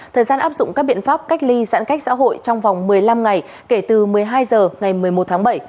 thời gian áp dụng các biện pháp cách ly giãn cách xã hội trong vòng một mươi năm ngày kể từ một mươi hai h ngày một mươi một tháng bảy